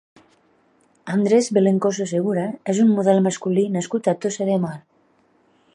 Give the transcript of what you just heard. Andrés Velencoso Segura és un model masculí nascut a Tossa de Mar.